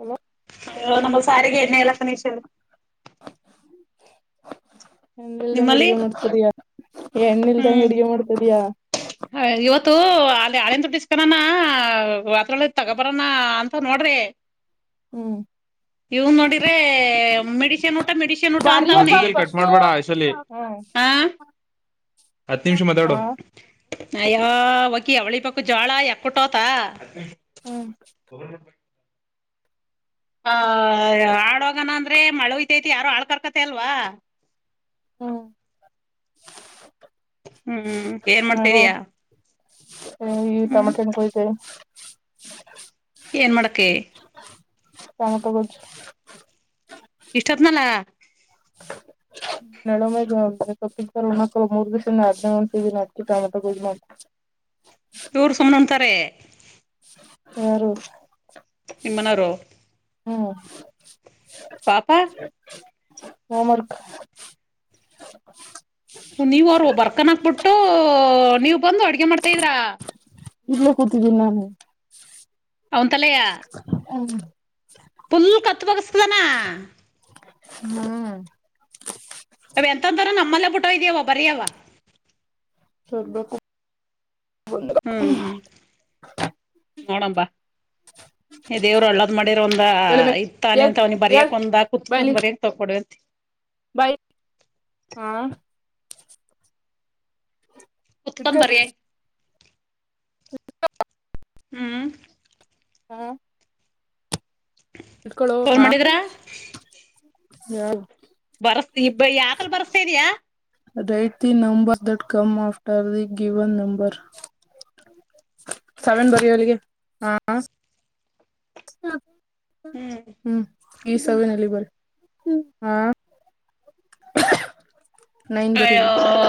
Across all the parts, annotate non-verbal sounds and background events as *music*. Hello ನಮ್ಮ ಸಾರಿಗೆ ಎಣಲ್ಲಣ ವಿ ನಿಮ್ಮಲ್ಲಿ ಎಂದಲ್ಲಂಗಡಿಗೆಡ್ತಯಾ ಎಣ್ಣ ಇಲ್ದಂಗಗೆ ಅಡ್ಗೆ ಮಾಡ್ತದ್ಯಾಾ? ಹ ಇವತ್ತು ಅಲ್ಲಿ ಆಳನ್ ಟ್ಟಿಸಕನನಾ ರಾತ್ರಳ ತಗೋಬರಾನ ಅಂತ ನೋಡ ನೋಡ್ರಿ ಹ್ಮ್ ಇವನ್ ನೋಡಿ್ರೆ ಮೆಡಿಸಿನ್ ನೋ ಮೆಡನ್ ಊಟ ಅಂತ ಬಾರಿಯಪ್ಪ ಅವ ಕಟ್ ಫಸ್ಟು ಮಾಡ್ಬೇಡ ಹ್ಮ್ ಹ ಹತ್ತು ನಿಮಿಷ ಮತಾಡೋ. ಹಾ ಅಯಾ ಒಕಿ ಅವಳಿ ಬಕು ಜೋಳ ಯಾಕ್ಕಟೋತ. ಹ್ಮ್ ಹ ಆ ಆಳೋಗಣ ಅಂದ್ರೆ ಮಳವತೈತಿ ಯಾರು ಆಾಳ್ ಕರ್ಕತೆ ಅಲ್ವಾ. ಹ್ಮ್ ಹ್ಮ್ ಏನ್ ಮಾಡ್ತಿದಯಾ? ಹ ಈ ಟಮಟೆಣ ಕುಯ್ತವೆನೀ. ಏನ್ ಮಡಕೆ? ಟೋಮಾಟೋ ಗೊಜ್ಜು ಇಷ್ಟತ್ನಲ್ಲ? ನೆಳಮಗೆ ಸರ್ ಒ ಮೂರ್ ದಿವ್ಸ ಹದನೇ ಒಂದಿನಿ ಅಿ ಮ ಮಾಡ್ ಇವರು ಸುಮ್ನೆ ಉಂತಾರೆ. ಹಾರೂ ನಿಮ್ಮನಾರೋ ಹ್ಮ್ ಹೋಮ್ವರ್ಕ್ ನೀವ್ ಅವರು ಬರ್ಕನಾಕ್ಬಿಟ್ಟು ನೀವ್ ಬಂದು ಅಡ್ಗೆ ಮಾಡ್ತಾದ್ರ? ಇರ್ಲೇ ಕೂತಿದ್ದೀನಿ ನಾನು. ಅವನುಂತಲೆಯ? ಹ್ಮ *inaudible* ಫುಲ್ ಕತ್ ಬೋಗಸ್ತದಾನ ಹ್ಮ *inaudible* ಅವ ಎಂತಂತರ ನಮ್ಮಲ್ಲೇ ಬಿುಟ್ಟ ಇದ್ಯವ ಬರಯವ ಸೊಡ್ಬ *inaudible* ಹ್ಮ್ ಹ್ಮ್ ನೋಡಂಬಾ *inaudible* ದೇವ್ರು ಅಳ್ಳದ್ ಮಾಡಿರ ಒಂದ ಎಳಮೆ ಇತಾನೆ ಎಳ್ ಅಂತ ಅವನಿ ಎಳ್ ಬರಿಯಕ್ ಒಂದ ಕುತ್ಕೊಂಡು ಬರಿಯಕ್ ತೊಕೊಡ ಅಂತ ಬೈ ಹಾ ಇಡ್ಕ ಕುತ್ಕೊಂಡ್ ಬರಿಯ ಹ *inaudible* ಹ್ಮ್ ಹ್ಮ ಡ್ಕೋ ಫೋನ್ ಹ ಮಾಡಿದ್ರ ಯ *inaudible* ಬರಸ್ ಇಬ್ಬ ಯಾಕಲ್ ಬರ್ಸ್ತಾ ಇದೀಯಾ write the number dot com after the given number Saavn ಬರಿ ಹೊಲ್ಲಿಗೆ ಹಾ ಹ ಹ್ಮ್ ಈ ಸವಿನಲ್ಲಿ ಬರ ಹ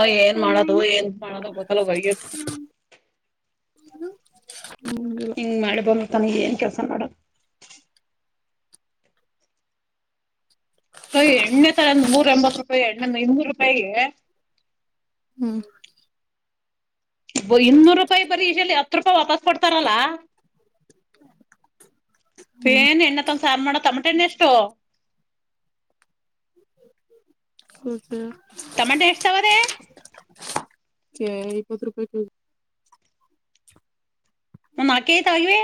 ಅಯ ಏನ್ ಮಾಡದು ಏನ್ ಮಾಡದು ಗೊತ್ತಲ ಹ್ಮ *inaudible* ಹಿಂಗ್ ಮಾಡಿ ಬ ತನ್ ಏನ್ ಕೆಲ್ಸ ಮಾಡ ಸ ಎಣ್ಣೆ ತರ ನೂರ ಎಂಬತ್ ರೂಪಾಯಿ ಎಣ್ಣನ್ನು ಇನ್ನೂರು ರೂಪಾಯಿಗೆ ಹ್ಮ್ ಇನ್ನೂರು ರೂಪಾಯಿ ಬರೀ ಈಲ್ಲಿ ಹತ್ತು ರೂಪಾಯಿ ವಾಪಸ್ ಕೊಡ್ತಾರಲ್ಲಾ ನ್ ಎ್ಣ ತ ಸಾರಮ್ಮ ತಮಿ ಮತ್ತನ್ನ ಎಷ್ಟೋ ಹ ಸ *inaudible* ತಮಂಟೆ ಎಷ್ಟ್ತಾವದೇ ಕೆ ಇಪ್ಪತ್ತು ರೂಪಾಯ ಕಿ ಒಂದು ನಾಲ್ಕ್ ಕೆಜಿ ತಗೊಳುವೆ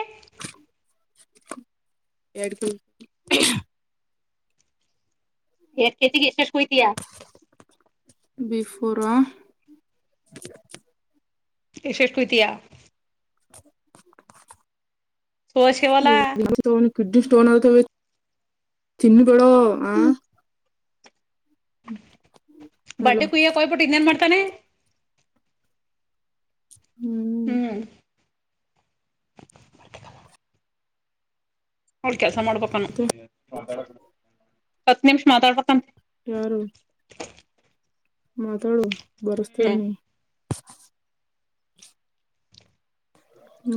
ಎಡು ಕು ಎ ಕೆತಿಗೆ ಎ ಶೇಷ ಕತಿಯಾ *inaudible* ಬಿಫೋರ ಇಷ್ಟ ಇಷ್ಟ ಕುಯ್ತಿಯ ಸೋಸ್ಯವಲ್ಲ ಎ ಸನು ಕಿದ್ದ *inaudible* ತನ ತಿನ್ನ ಬಡ ಆ ಅಲ್ಲ ಬರ್ಡೆ ಕುಯ್ಯಕ ಹೋಗ್ಬಿಟ್ಟು ಇನ್ನೇನ್ ಮಾಡ್ತಾನೆ ಹ್ಮ್ ಅವಳ ಕೆಲ್ಸ ಮಾಡ್ಬೇಕಾನ ಮತ್ತೆ ಹತ್ತು ನಿಮಿಷ ಮಾತಾಡ್ಬೇಕಂತೆ ಯಾರು ಮಾತಾಡು ಹ್ಮ್ ಬರಸ್ತೇನಿ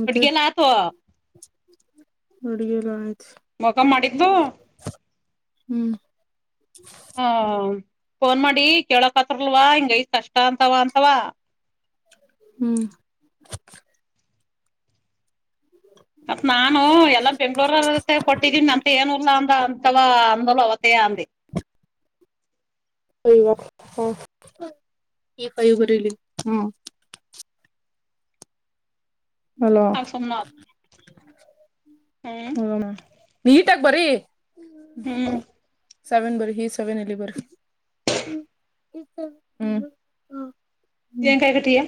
ಒಟ್ಗೆಲ್ಲತ ಅಡುಗಲ್ಲ ಆಯ್ತು ಮಖ ಮಾಡಿದ್ದ್ದು ಹ್ಮ್ ಹ ಫೋನ್ ಮಾಡಿ ಕೇಳಕ್ತ್ತರ್ಲ್ವ ಹಿಂಗ ಐತ್ತೆ ಕಷ್ಟ ಅಂತವಾ ಅಂತವಾ ಹ್ಮ್ ಮತ್ ನಾನು ಎಲ್ಲ ಬೆಂಗ್ಳೂರ ಕೊಟ್ಟಿದೀನಿ ಅಂತ ಏನುರ್ಲ್ಲಾ ಅಂದ ಅಂತವ ಅಂದಲ್ ಅವತೇ ಅಂದಿ *unintelligible* *unintelligible* *unintelligible* ಹ ಈ ಕಾಯ ಬಲಿ ಹ್ಮ *inaudible* ಹಲೋ ನಾಗ ಸುಮ್ನ ಹ್ಮ್ ಹಣ ನೀಟಾಗಿ ಬರಿ ಹ್ಮ್ ಸೆವೆನ್ ಬರಿ ಹಿ ಸೆವೆನ್ ಇಲ್ಲಿ ಬರಿ ಹ್ಮ ಕಾಯ ಕಠಿಯ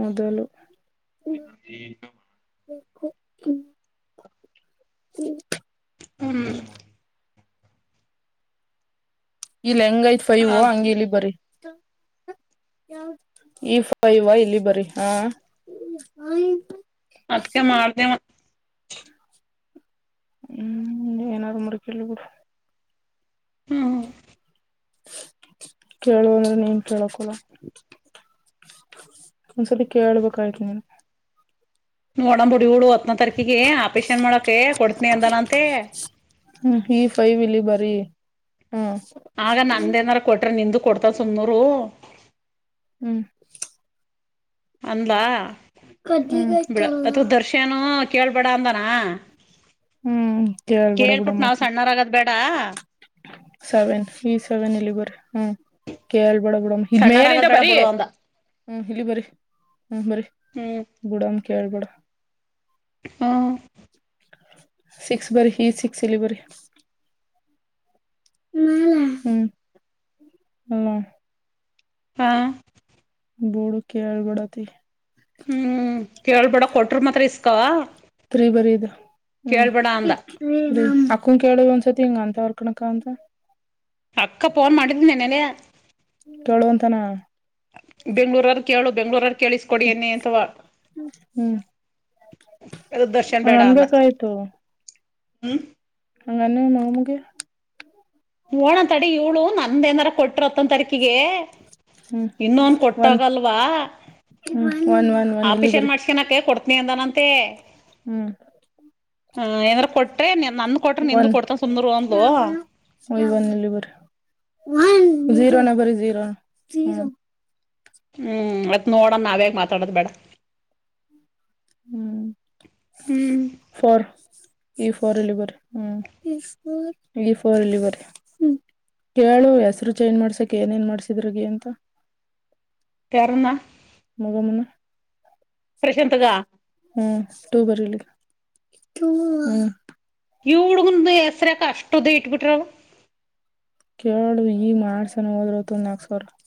ಮೊದಲು *unintelligible* ಬು ಹ ಹ *inaudible* ಹ್ಮ್ ಇಲ್ಲಿ ಹೆಂಗ ಯತ್ ಫ ಇವೋ ಅದ್ ಹಂಗ ಇಲ್ಲಿ ಬರರಿ *unintelligible* ಈಫ ಇವಾ ಇಲ್ಲಿ ಬರೀ ಹ ಅದಕ್ಕೆ ಮಾಡ್ದ ಹ್ಮ್ ಏನಾರರು ಮರ್ಕ ಬಿಡ ಹ್ಮ್ ಕೇಳುವಂದ್ರೆ ನೀನ್ ಕೇಳಕಲ್ಲ ಒಂದ್ಸತಿ ಕೇಳ್ಬೇಕಾಯ್ತು ನೀನ್ ನೋಡಣ ಬಿಡು ಇವಳು ಹತ್ತನ ತಾರಕಿಗೆ ಆಪರೇಷನ್ ಮಾಡಕ ಕೊಡ್ತನಿ ಅಂದಾನ ಅಂತೆ ೇ *inaudible* ಆಗ ನಂದ ಏನಾರ ಕೊಟ್ರ ನಿಂದು ಕೊಡ್ತವ ಸುಮ್ನೂರು ಹ್ಮ್ ಅಂದಲ ಬಿಡ ಅಥವಾ ದರ್ಶನ ಕೇಳ್ಬೇಡ ಅಂದಾನ ಹ್ಮ್ ಕೇಳ್ಬೇಡ ಬಿಡ ಕೇಳ್ಬಿಟ್ ನಾವ್ ಮತ್ಲ ಸಣ್ಣಾರಗದ ಬೇಡ ಸೆವೆನ್ ಈ ಸೆವೆನ್ ಇಲ್ಲಿ ಬರ ಹ್ಮ್ ಕೇಳ್ಬೇಡ ಬಿಡ ಇಲ್ ಮೇನಿಂದ ಸಣ್ಣರಾಗದ್ ಬೇಡ ಬರಿ ಬಿಡು ಅಂದ ಹ್ಮ್ ಇಲಿ ಬರಿ ಹ್ಮ ಬರ ಹ್ಮ್ ಗುಡಮ ಕೇಳ್ಬೇಡ ಹ ಸಿಕ್ಸ್ ಬರಿ ಹಿ ಸಿಕ್ಸ್ ಇಲ್ಲಿ ಬರಿ ನ ಹ್ಮ ಅ *inaudible* ಹಾ ಬೂಡು ಕೇಳ್ಬೇಡ ಆತಗಿ ಹ್ಮ್ ಕೇಳ್ಬೇಡ ಕೊಟರು ಮಾತ್ರ ಇಸ್ಕಾವ ಬರಿ ಬರಿ ಇದು ಅಂದ ಅಕ್ಕುಕೇಳು ಒಂದ್ಸಲಿ ಸತಂಗ ಅಂತ ಅವರ್ ಕಣಕ್ಕ ಅಂತ ಅಕ್ಕ ಫೋನ್ ಮಾಡಿದ್ಲು ನೆನ್ನೆಯ ಕೇಳುವಂತನ ಬೆಂಗ್ಳೂರ್ರ ಕೇಳು ಬೆಂಗ್ಳೂರ್ರ ಕೇಳಿಸ್ಕೊಡಿ ಎನ್ನಿ ಅಂತವಾ ಹ್ಮ್ ಅದು ದರ್ಶನ್ ಹಂಗ ಬೇಡನ್ನ ಅನ್ಬೇಕಾಯ್ತು ಹ್ಮ ಅಂಗನುವೆ ಮಾಮಂಗೆ ಓಣ ತಡಿ ಇವಳು ನಂದ ಏನಾರ ಕೊಟ್ಟ್ರರುತ್ತಂತ ತರಿ ಕಿಗೆ ಹ್ಮ್ ಇನ್ನೊನ್ ಒನ್ ಕೊಟ್ಟಾಗಲ್ವಾ. ಹ್ಮ್ ಒನ್ ಒನ್ ಒನ್ ಇಲ್ಲಿ ಆಪೇಷನ್ ಬರಿ ಮಾಡ್ಸ್ಕನಕ ಕೊಡ್ತ. ಪ. *inaudible* ಹ್ಮ್ ಹಾ ಏಂದ್ರ ಕೊಟ್ರೆ ನನ್ ಕೊಟ್ರೆ ನಿಂದು ಕೊಡ್ತನ್ ಸುಂದರು ಒಂದಲು. ಬ ಜೀರೋ ಬರ ಜೀರೋ. ಹ್ಮ್ ಅತ್ ನೋಡೋಣ ನಾವೇಗ್ ಮಾತಾಡದ ಬೇಡ. ಹ್ಮ್ ಹ್ಮ್ ಫರ್. ಈಫೋರ್ ಅಲ್ಲಿ ಬರ ಹ್ಮ ಈಫೋರ್ ಅಲ್ಲಿ ಬರೀ. ಕೇಳು ಹೆಸ್ರು ಚೇಂಜ್ ಮಾಡ್ಸಕ್ ಏನೇನ್ ಮಾಡ್ಸಿದ್ರಗ ಅಂತ. ಯಾರನ್ನ. ಮಗಮ್ಮನ ಪ್ರಶಾಂತ್ಗ ಹ್ಮ್ ತೂ ಬರಿಲಿ *unintelligible* ಟೂ. ಇವುಡುಗಂದು ಹೆಸರಕ ಅಷ್ಟೊದ ಇಟ್ ಬಿಟ್ರಳ. ಎು ಈ ಮಾಡ್ಸಣ ಹೋದ್ರ ಹೊತ್ತು ಒಂದ ನಾಕ ಸಾವಿರ *inaudible*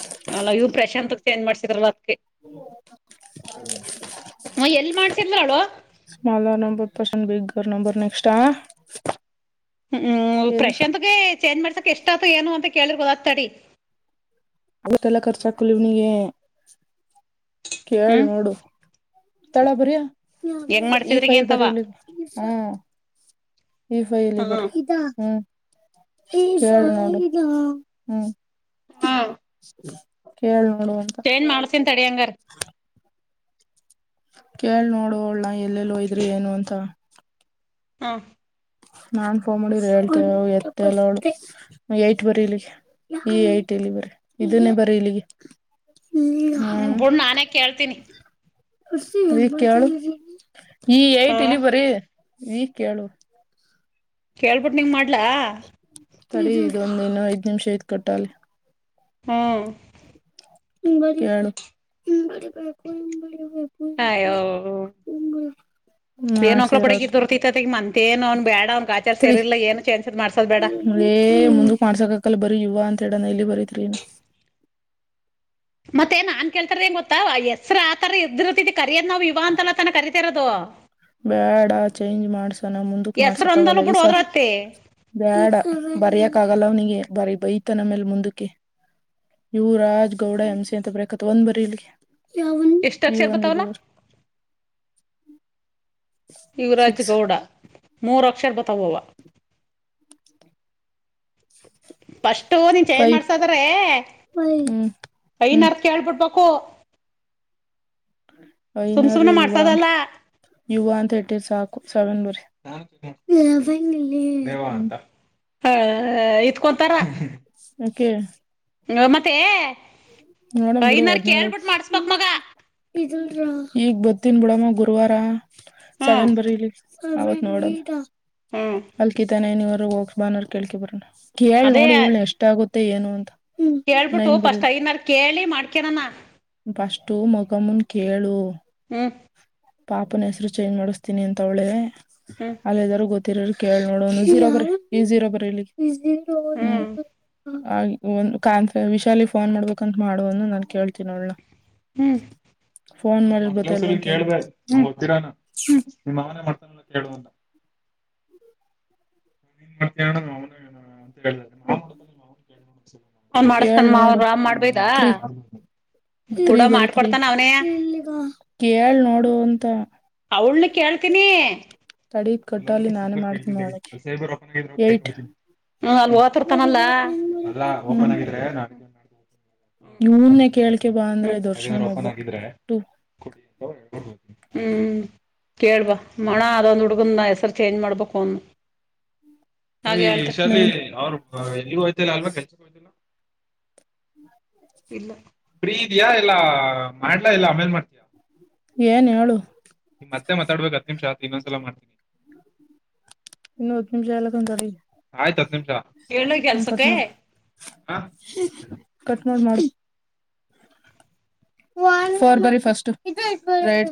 *unintelligible* ಅಲ್ಲ ಇವ್ ಪ್ರಶಾಂತಕ್ ಏನು ಮಾಡ್ಸಿದ್ರಲ್ಲ. ನ ಎಲ್ ಮಾಡ್ಸಿದ್ಲೋ ಅವ್ಳು. ಪಸಂ ಬಗ ಗ ನ ಪರ್ ನ ಎಕ್ಸ್ಟ್ರಾ *unintelligible* ಹ್ಮಞ ಪ್ರಶಾಂತ್ಗೆ ಚೇಂಜ್ ಮಾಡ್ಸಕ್ಕೆ ಎಷ್ಟ ಆತು ಏನು ಅಂತ ಕೇಳ್ರ ಗೊದಕ್ತಡಿ. ಅವತ್ತೆಲ್ಲಾ ಖರ್ಚ ಹಾಕಲಿ ಇವ್ನಿಗೆ. ಕೇಳ್ ಹ್ಮ್ ನೋಡು. ತಳ ಬರಯ ಹೆಂಗ್ ಈ ಮಾಡ್ಸಿದ್ರಿಗ ಫೈ ಅಂತವ ಬರಿಲ್ಲಿ ಹ್ಮ. ಈಫೈಲಿ ಹ್ಮ ಬರ್ಮ ಹ್ಮ *unintelligible* ಕಳ್. ಚೇಂಜ್ ಮಾಡ್ಸನ್ ತಡಿ ಅಂಗಾರ. ಕೇಳಳ್ ನೋಡು ಅಳ್ಳ ಎಲ್ಲೆಲ್ಲೋಯ್ರಿ ಏನು ಅಂತ. ಹಾ. ನಾನ್ ಫೋನ್ ಮಾಡಡಿದರು ಹೇಳ್ತೇವ ಎತ್ತ ಎಲ್ಲ ಅವಳು ಏಟ್ ಬರಿೀಲಿ ಈ ಏಟ್. ಇ ಬರ ಇದನ್ನೇ ಬರೀ ಇಲ್ಲಿಗೆ. ಹ್ಮ ಹ್ಮ್ ಬಿುಡ್ ನಾನೇ ಕೇಳ್ತೀನಿ. ಈ ಕು ಈ ಹ ಏಟ್ ಇಲಿ ಬರಿೀ. ಈ ಕೇಳು. ಕೇಳ್ಬಿಟ್ಟ ನಿಂಗ ಮಾಡ್ಲಾ. ಸರಿ ಇದೊಂದ್ ದಿನ ಐದ್ ನಿಮಿಷ ಐದ್ ಕೊಟ್ಟಾಲ. ಹ್ಮ್. ಹರಿರಿ ಬ *unintelligible* ಆಯೋ. ಏನ್ೋಕ್ಳ ಬ ಬಿಡಗ ಮಾಡ್ಸಿರೋದು ಇದ್ಿರ್ತಿತ್ತತಿ ಈ ಮಂತೇಏನ್ ಅವ್ ಬೇಡ ಅವನ ಆಚಾರ ಸರಿಿಲ್ಲ ಏ ಚೇಜಸ್್ ಮಾಡಸೋದ ಬೇಡ. ಅೇ ಮುಂದಕ್ ಮಾಡ್ಸಕಕಲ್ಲ ಬರೀ ಯುವ ಅಂತ ಹೇಳಣ ಇಲ್ಲಿ ಬರೀತ್ರಿನ. ಮತ್ತೆ ನಾನ್ ಕೇಳ್ತಾರದ ಏನ್ ಗೊತ್ತಾ ಹೆಸರು ಆತರ ಇದ್ದಿರ್ತಿದಿ ಕರಿಯೋದ ನಾವು ಇುವ ಅಂತಲ್ಲ ತನ ಕರಿತತಿ ಇರೋದು. ಬೇಡ ಚೇಂಜ್ ಮಾಡ್ಸಣ ಮುಂದಕ್ ಹೆಸ್ರು ಮಾಡ್ಸಕ್ ಒಂದಲ್ಲ ಆಗಲ್ಲ ಬಿಡು ಈಸ. ಹೋದ್ರತ್ತೆ ಬೇಡ ಬರಕ್ ಆಗಲ್ಲ ಅವ್ನಿಗೆ ಬರಿ ಬೈತ ನಮೇಲ್ ಮುಂದಕ್ಕೆ. ಇವು ರಾಜ್ ಗೌಡ ಎಂಸಿ ಅಂತ ಬರಕ್ತ್ ಒಂದ್ ಬರರಿ ಇಲ್ಗೆ. ಎಸ್ತಾಕ್ಷರ ಬತಾವಲ್ಲ. ಯುವರಾಜ್ ಸಿಕ್ಸ್ ಗೌಡ ಮೂರು ಅಕ್ಷರ ಬತ ಹೋವ. ಫಿರ್ಸ್ಟ್ ನೀನ್ ಚೇಂಜ್ ಫೈವ್ ಮಾಡ್ಸದ್ರೆ ಹ್ಮ್ ಹ್ಮ್ ಐನೋರ್ನ ಕೇಳ್ಬಿಡ್ಬ. ಹಪ್ಪ *unintelligible* ಐನೋರ್ನ ಯುುವ ಅಂತ ಯುುವ ಅಂತ ಹೇಟೆ ಚ. ಸ ಬ ಹ್ಮ *unintelligible* ಹ ಇತ್ಕೊಂತಾರ. ಓಕೆ ಹ ಮತ್ತೆ ನೋಡಮ್ ಬಿಡು ಐನಾರ ಹದ್ನೇಳು ಕೇಳ್ಬಿಟ್ಟು ಮಾಡಸ ಮಗ ಈಗ ಬರ್ತೀನಿ ಬಿಡಮ್ಮ ಗುರುವಾರ ಹ್ಮ್ ಸೆವೆನ್ ಬರಲಿ ಅವತ್ ನೋಡದು ಹ್ಮ್ ಅಲ್ಕಿತಾನೆನವರು ಹೋಗ ಬಾನರ್ ಕೇಳ್ಕ ಬರೋಣ ಕೇಳ ಅದೇ ನೋಡ ಉಳ್ಳೆ ಎಷ್ಟ ಆಗುತ್ತೆ ಏನ ಅಂತ ಕೇಳ್ಬಿಟ್ಟು ನೈನ್ ಪಸ್ಟ ಬರೀಲಿ ಐನಾರ ಕೇಳಿ ಮಾಡ್ಕಳಣ ಫಷ್ಟು ಮೊಗಮನ್ ಕೇಳು ಹ್ಮ ಪಾಪನ ಹೆಸ್ರು ಚೇಂಜ್ ಮಾಡಿಸ್ತೀನಿ ಅಂತವಳೇ ಹ್ಮ್ ಅಲ್ಲಿ ಏನಾದರೂ ಗೊತ್ತ ಇರ ಇರ ಕೇಳಿ ನೋಡೋಣ ಜೀರೋ ಬರಿ ಜೀರೋ ಬರಿ ಇಲ್ಲಿ ಹ್ಮ್ ಆ ಒಂದು ಕಾನ್ ವಿಶಾಲಿಗೆ ಫೋನ್ ಮಾಡ್ಬೇಕಂತ ಮಾಡುವ ನಾನ್ ಕೇಳ್ತಿನ ನೋ ಫೋನ್ ಮಾಡಿರ ಬರ್ತೈಲ್ಲವಂತ ಕೇಳ್ಬೇಕ ಗೊತ್ತಿರ್ವನ ಅವನ ಮಾಡ್ತಾನ ಕೇಳುವಣ *inaudible* *unintelligible* ಅವನ ಮಾಡಸ್ತಾನ ಕೇಳ್ ಮಾ ಅವರು ರಾಮ್ ಮಾಡಬೇಕಾ ತ್ರಿ ಬರಿತ್ರಿ ಕೇಳ ನೋಡು ಅಂತ ಅವಳನ ಕೇಳ್ತೀನಿ ತಡಿ ಕಟ್ಟಲ್ಲಿ ಎಲ್ಲ ನಾನೇ ಸಿಕ್ಕರ್ ಮಾಡ್ತೀನಿ ಕೇಳ್ತೀನಿ ತಡಿ ನೋಡಕ್ಕೆ ಸೈಬರ್ ರೊಕ್ಕ ಇದ್ದರ ಏಟ್ ಕೇಳ್ಕೋತೀನಿ ಹ್ಮ ಅಲ್ಲಿ ಓತಿರ್ತಾನಲ್ಲ ಅಲ್ಲಾ ಓಪನ್ ಹ್ಮ್ ಆಗಿದ್ದರೆ ನಾ... ಇವನ್ನೇ ಕೇಳ್ಕೆ ಬಾ ಅಂದ್ರೆ ದರ್ಶನ್ ಅದೇನಾದರೂ ಒಬ್ಬ ಓಪನ್ ಆಗಿದ್ರೆ ಟು ಕುಡಿ ಅಂತಳ್ಡ್ಬ *inaudible* ಹ್ಮ್ ಕೇಳ್ಬಾ ಮಣ ಅದೊಂದು ಹುಡ್ಗನ ಹೆಸರು ಚೇಂಜ್ ಮಾಡ್ಬೇಕು ಒಂ.. ಏ ಶಾಲಿನಿ ನೈನ್ ಅವರು ಎಲ್ಲಿಗೂ ಹೋಯಿತ್ತಿಲ್ಲ ಅಲ್ವಾ ಕೆಲ್ಸಕ್ಕೆ.,. ಹ್ಮ್ *inaudible* ಫ್ರೀ ಇದೀಯಾ ಇಲ್ಲಾ ಮಾಡ್ಲಾ ಇಲ್ಲ ಆಮೇಲ ಮಾಡ... ಏನ್ ಹೇಳು ಮತ್ತೆ ಮಾತಾಡಬೇಕು ಹತ್ತ ನಿಮಿಷ ಅದಕ ಇನ್ನೊಂದ ಸಲಾ ಮಾಡ್ತೀನಿ ಇನ್ನು ಹತ್ತ ನಿಮಿಷಾ ಇರಲಾಕತ್ತಾರ ರೀ ಹೇಳು ಹ್ಮ ಕಟ ಕೆಲ್ಸಕ್ಕೆ ಮಾಡ ಕಟ್ಮಾಡ ಮಾಡ ಫೋರ್ ಬರಿ ಫಸ್ಟ್